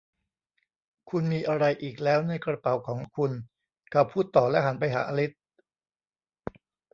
'คุณมีอะไรอีกแล้วในกระเป๋าของคุณ ?' เขาพูดต่อและหันไปหาอลิซ